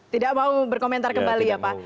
tidak mau berkomentar kembali ya pak